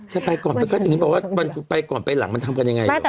ใช่ไปก่อนมันก็อย่างนี้บอกว่ามันไปก่อนไปหลังมันทำกันอย่างไรหรือเปล่า